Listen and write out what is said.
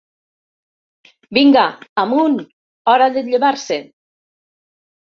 Vinga, amunt! Hora de llevar-se!